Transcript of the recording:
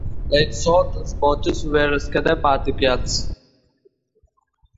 In essence, these motets were sacred madrigals.